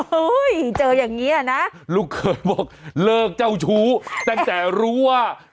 เจออย่างนี้อ่ะนะลูกเคยบอกเลิกเจ้าชู้ตั้งแต่รู้ว่า